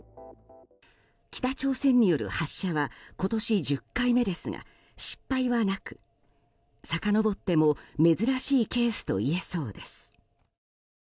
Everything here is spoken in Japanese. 北朝鮮による発射は今年１０回目ですが失敗はなく、さかのぼっても珍しいケースと言えそうです。